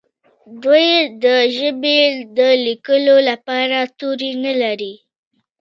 دوی د ژبې د لیکلو لپاره توري نه لري.